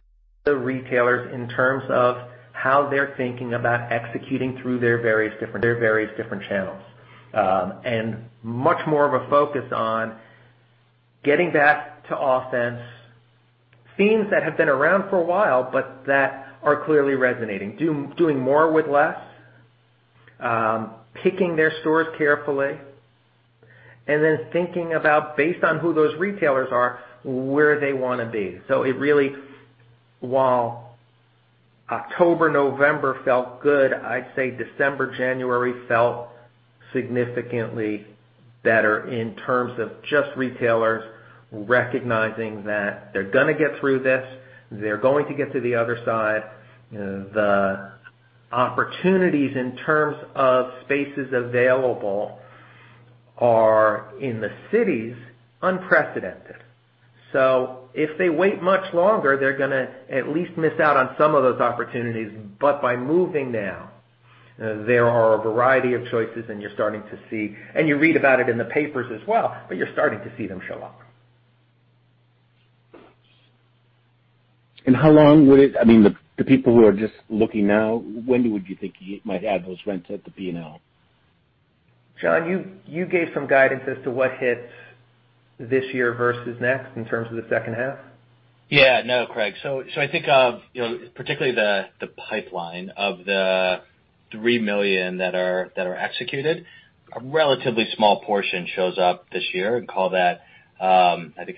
Speaker 3: the retailers in terms of how they're thinking about executing through their various different channels. Much more of a focus on getting back to offense. Themes that have been around for a while, but that are clearly resonating. Doing more with less, picking their stores carefully, and then thinking about based on who those retailers are, where they want to be. It really, while October, November felt good, I'd say December, January felt significantly better in terms of just retailers recognizing that they're going to get through this. They're going to get to the other side. The opportunities in terms of spaces available are, in the cities, unprecedented. If they wait much longer, they're going to at least miss out on some of those opportunities. By moving now, there are a variety of choices, and you're starting to see, and you read about it in the papers as well, but you're starting to see them show up.
Speaker 9: How long would the people who are just looking now, when would you think you might add those rents at the P&L?
Speaker 3: John, you gave some guidance as to what hits this year versus next in terms of the second half?
Speaker 4: Yeah. No, Craig. I think of particularly the pipeline of the 3 million that are executed. A relatively small portion shows up this year and call that, I think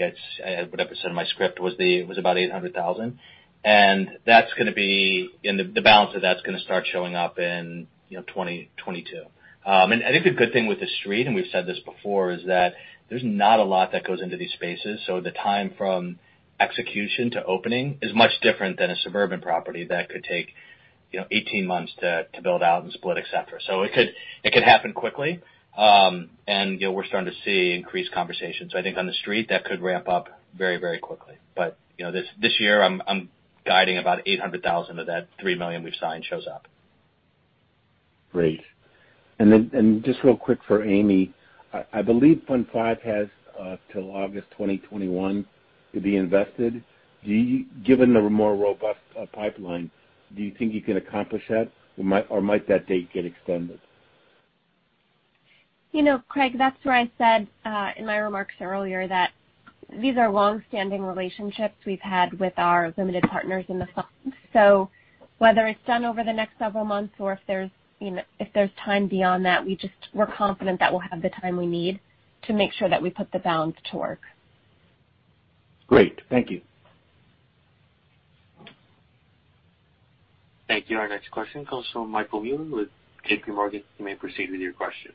Speaker 4: whatever percent of my script was about $800,000. The balance of that's going to start showing up in 2022. I think the good thing with the Street, and we've said this before, is that there's not a lot that goes into these spaces. The time from execution to opening is much different than a suburban property that could take 18 months to build out and split, et cetera. It could happen quickly. We're starting to see increased conversations. I think on the Street, that could ramp up very quickly. This year, I'm guiding about $800,000 of that 3 million we've signed shows up.
Speaker 9: Great. Just real quick for Amy. I believe Fund V has till August 2021 to be invested. Given the more robust pipeline, do you think you can accomplish that, or might that date get extended?
Speaker 5: Craig, that's where I said in my remarks earlier that these are longstanding relationships we've had with our limited partners in the fund. Whether it's done over the next several months or if there's time beyond that, we're confident that we'll have the time we need to make sure that we put the balance to work.
Speaker 9: Great. Thank you.
Speaker 1: Thank you. Our next question comes from Michael Mueller with JPMorgan. You may proceed with your question.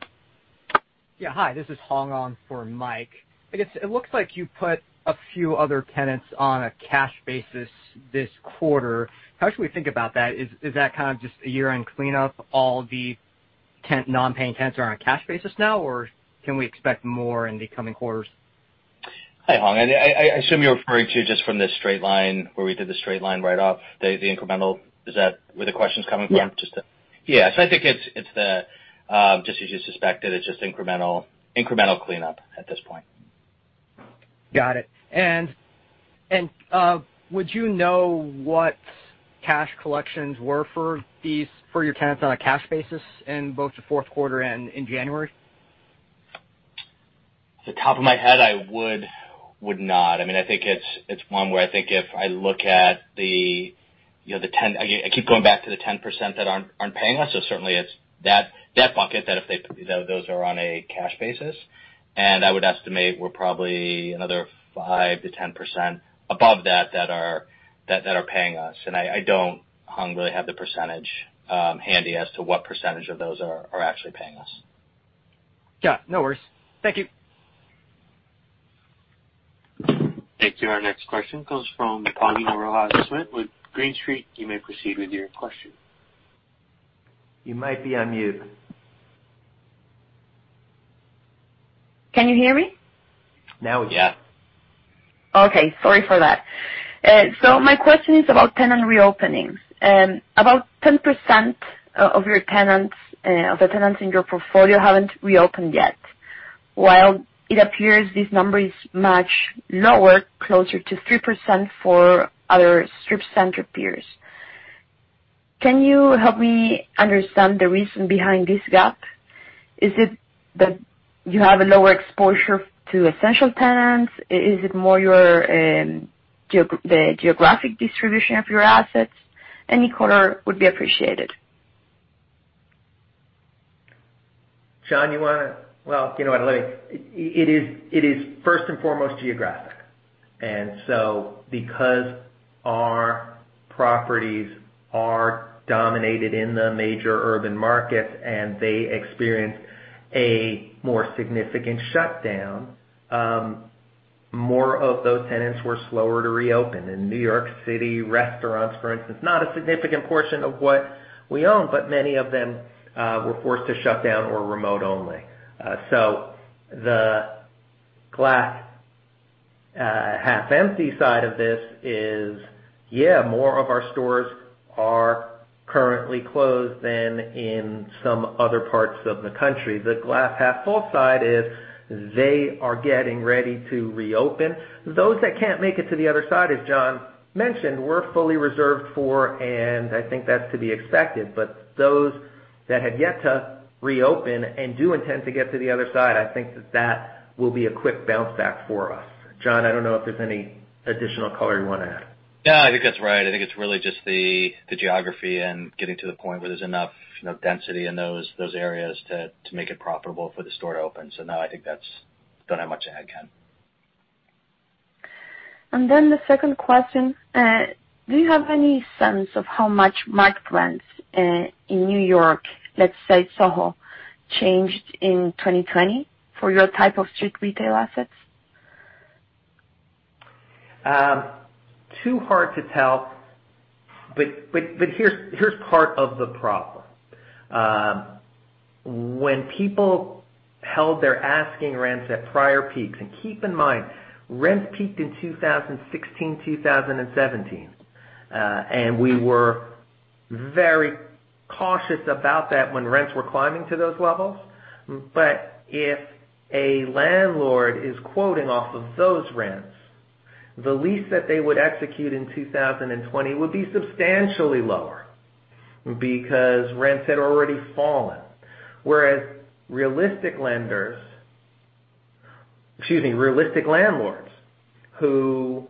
Speaker 10: Yeah. Hi, this is Hong on for Mike. I guess it looks like you put a few other tenants on a cash basis this quarter. How should we think about that? Is that kind of just a year-end cleanup, all the non-paying tenants are on a cash basis now, or can we expect more in the coming quarters?
Speaker 4: Hi, Hong. I assume you're referring to just from the straight line where we did the straight-line write-off, the incremental. Is that where the question's coming from?
Speaker 10: Yeah.
Speaker 4: Yes. I think it's just as you suspected. It's just incremental cleanup at this point.
Speaker 10: Got it. Would you know what cash collections were for your tenants on a cash basis in both the fourth quarter and in January?
Speaker 4: The top of my head, I would not. I think it's one where I think if I look at the 10% that aren't paying us. Certainly it's that bucket that if those are on a cash basis. I would estimate we're probably another 5%-10% above that are paying us. I don't really have the percentage handy as to what percentage of those are actually paying us.
Speaker 10: Yeah, no worries. Thank you.
Speaker 1: Thank you. Our next question comes from Paulina Rojas Schmidt with Green Street.
Speaker 3: You might be on mute.
Speaker 11: Can you hear me?
Speaker 3: Now we can.
Speaker 4: Yeah.
Speaker 11: Okay. Sorry for that. My question is about tenant reopenings. About 10% of the tenants in your portfolio haven't reopened yet, while it appears this number is much lower, closer to 3% for other strip center peers. Can you help me understand the reason behind this gap? Is it that you have a lower exposure to essential tenants? Is it more your geographic distribution of your assets? Any color would be appreciated.
Speaker 3: Well, you know what? Let me. It is first and foremost geographic, because our properties are dominated in the major urban markets and they experience a more significant shutdown, more of those tenants were slower to reopen. In New York City, restaurants, for instance, not a significant portion of what we own, but many of them were forced to shut down or remote only. The glass half empty side of this is, yeah, more of our stores are currently closed than in some other parts of the country. The glass half full side is they are getting ready to reopen. Those that can't make it to the other side, as John mentioned, we're fully reserved for, and I think that's to be expected, but those that have yet to reopen and do intend to get to the other side, I think that that will be a quick bounce back for us. John, I don't know if there's any additional color you want to add.
Speaker 4: No, I think that's right. I think it's really just the geography and getting to the point where there's enough density in those areas to make it profitable for the store to open. No, I don't have much to add, Ken.
Speaker 11: The second question, do you have any sense of how much market rents in New York, let's say SoHo, changed in 2020 for your type of street retail assets?
Speaker 3: Too hard to tell, but here's part of the problem. When people held their asking rents at prior peaks, and keep in mind, rents peaked in 2016, 2017. We were very cautious about that when rents were climbing to those levels. If a landlord is quoting off of those rents, the lease that they would execute in 2020 would be substantially lower because rents had already fallen. Whereas realistic lenders, excuse me, realistic landlords who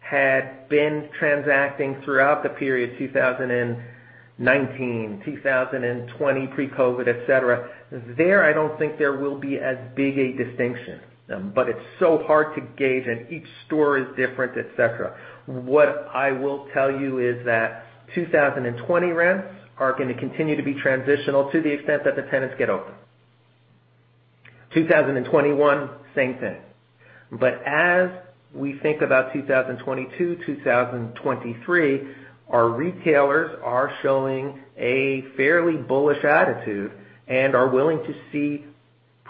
Speaker 3: had been transacting throughout the period 2019, 2020, pre-COVID, et cetera, there, I don't think there will be as big a distinction. It's so hard to gauge, and each store is different, et cetera. What I will tell you is that 2020 rents are going to continue to be transitional to the extent that the tenants get open. 2021, same thing. As we think about 2022, 2023, our retailers are showing a fairly bullish attitude and are willing to see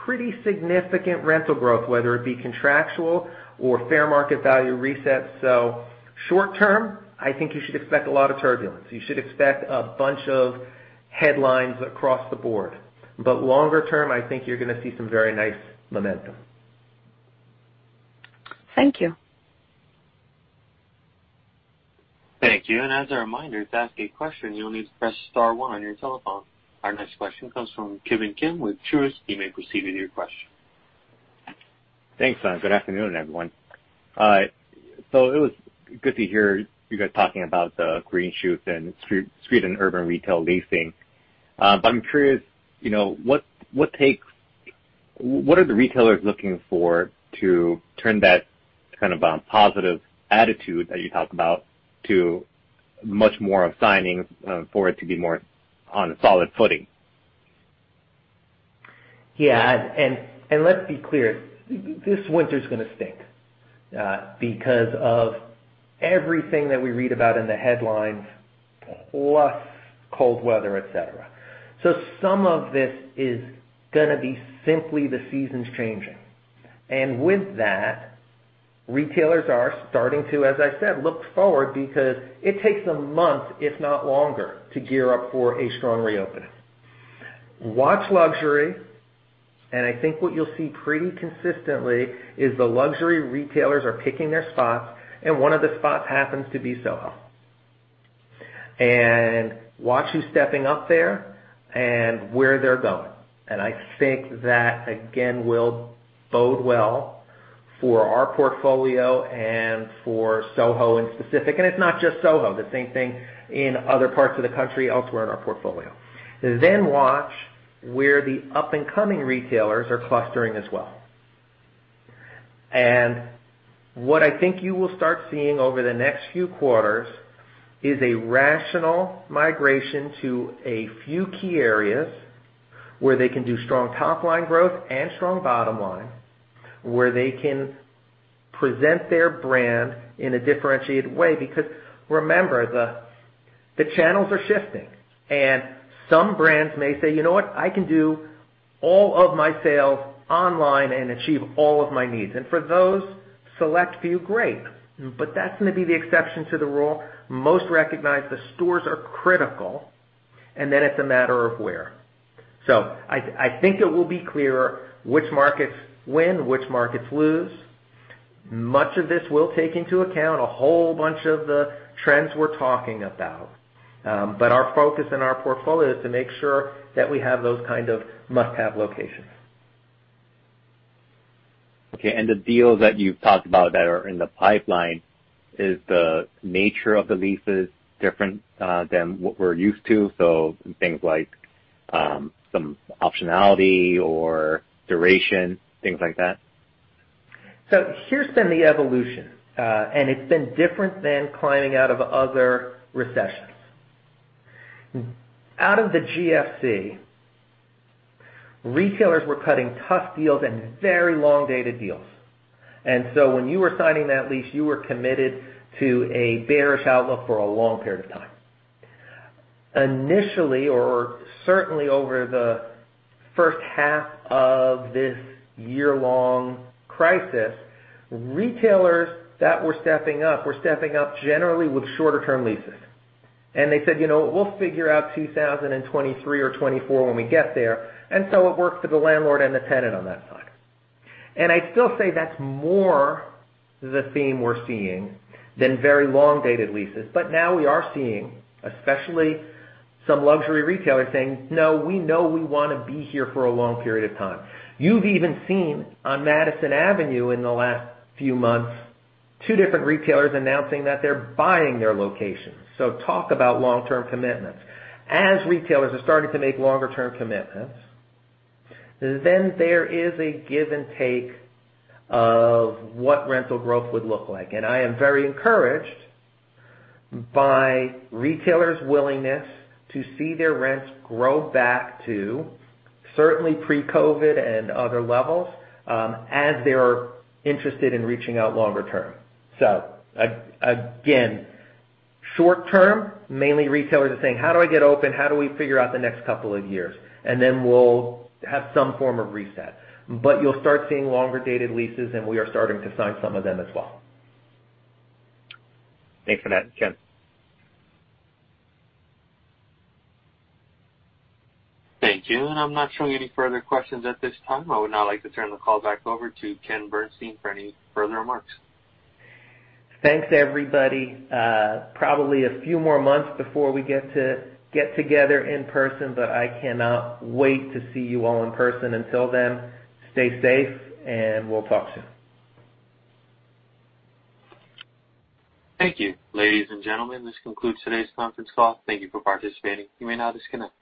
Speaker 3: pretty significant rental growth, whether it be contractual or fair market value resets. Short term, I think you should expect a lot of turbulence. You should expect a bunch of headlines across the board. Longer term, I think you're going to see some very nice momentum.
Speaker 11: Thank you.
Speaker 1: Thank you. As a reminder, to ask a question, you'll need to press star one on your telephone. Our next question comes from Ki Bin Kim with Truist. You may proceed with your question.
Speaker 12: Thanks. Good afternoon, everyone. It was good to hear you guys talking about the green shoots and street and urban retail leasing. I'm curious, what are the retailers looking for to turn that kind of a positive attitude that you talk about to much more of signings, for it to be more on a solid footing?
Speaker 3: Yeah. Let's be clear, this winter's going to stink because of everything that we read about in the headlines, plus cold weather, et cetera. Some of this is going to be simply the seasons changing. With that, retailers are starting to, as I said, look forward because it takes a month, if not longer, to gear up for a strong reopening. Watch luxury. I think what you'll see pretty consistently is the luxury retailers are picking their spots, and one of the spots happens to be SoHo. Watch who's stepping up there and where they're going. I think that, again, will bode well for our portfolio and for SoHo in specific, and it's not just SoHo, the same thing in other parts of the country elsewhere in our portfolio. Watch where the up-and-coming retailers are clustering as well. What I think you will start seeing over the next few quarters is a rational migration to a few key areas where they can do strong top-line growth and strong bottom line, where they can present their brand in a differentiated way. Remember, the channels are shifting, and some brands may say, "You know what? I can do all of my sales online and achieve all of my needs." For those select few, great. That's going to be the exception to the rule. Most recognize the stores are critical, and then it's a matter of where. I think it will be clearer which markets win, which markets lose. Much of this will take into account a whole bunch of the trends we're talking about. Our focus and our portfolio is to make sure that we have those kind of must-have locations.
Speaker 12: Okay. The deals that you've talked about that are in the pipeline, is the nature of the leases different than what we're used to? Things like some optionality or duration, things like that.
Speaker 3: Here's been the evolution, and it's been different than climbing out of other recessions. Out of the GFC, retailers were cutting tough deals and very long-dated deals. When you were signing that lease, you were committed to a bearish outlook for a long period of time. Initially, or certainly over the first half of this year-long crisis, retailers that were stepping up were stepping up generally with shorter term leases. They said, "We'll figure out 2023 or 2024 when we get there." It worked for the landlord and the tenant on that side. I'd still say that's more the theme we're seeing than very long-dated leases. Now we are seeing, especially some luxury retailers saying, "No, we know we want to be here for a long period of time." You've even seen on Madison Avenue in the last few months, two different retailers announcing that they're buying their locations. Talk about long-term commitments. As retailers are starting to make longer term commitments, there is a give and take of what rental growth would look like. I am very encouraged by retailers' willingness to see their rents grow back to certainly pre-COVID and other levels, as they are interested in reaching out longer term. Again, short term, mainly retailers are saying, "How do I get open? How do we figure out the next couple of years?" Then we'll have some form of reset. You'll start seeing longer-dated leases, and we are starting to sign some of them as well.
Speaker 12: Thanks for that, Ken.
Speaker 1: Thank you. I'm not showing any further questions at this time. I would now like to turn the call back over to Ken Bernstein for any further remarks.
Speaker 3: Thanks, everybody. Probably a few more months before we get to get together in person, but I cannot wait to see you all in person. Until then, stay safe and we'll talk soon.
Speaker 1: Thank you. Ladies and gentlemen, this concludes today's conference call. Thank you for participating. You may now disconnect.